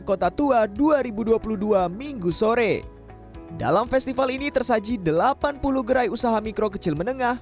kota tua dua ribu dua puluh dua minggu sore dalam festival ini tersaji delapan puluh gerai usaha mikro kecil menengah